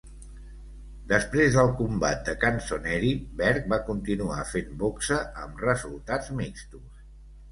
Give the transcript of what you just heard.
Després del combat de Canzoneri, Berg va continuar fent boxa amb resultats mixtos.